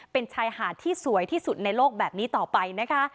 เป็นชายหาดที่สวยที่สุดในโลกแบบนี้ต่อไปนะคะ